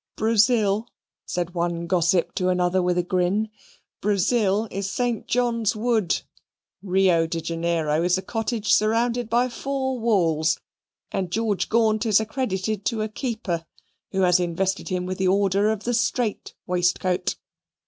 "Brazil," said one gossip to another, with a grin "Brazil is St. John's Wood. Rio de Janeiro is a cottage surrounded by four walls, and George Gaunt is accredited to a keeper, who has invested him with the order of the Strait Waistcoat."